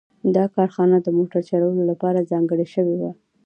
دا کارخانه د موټر جوړولو لپاره ځانګړې شوې وه